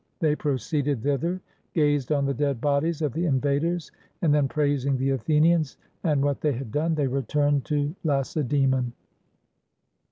They proceeded thither, gazed on the dead bodies of the invaders, and then praising the Athenians and what they had done, they returned to Lacedaemon.